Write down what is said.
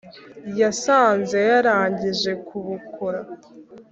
yasanze yarangije kubukora